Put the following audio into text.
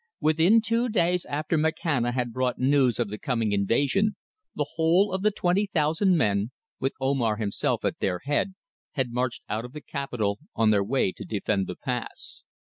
Within two days after Makhana had brought news of the coming invasion, the whole of the twenty thousand men, with Omar himself at their head, had marched out of the capital on their way to defend the pass.